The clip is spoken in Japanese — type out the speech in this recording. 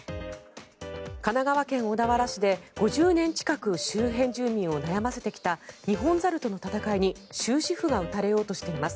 神奈川県小田原市で５０年近く周辺住民を悩ませてきたニホンザルとの戦いに終止符が打たれようとしています。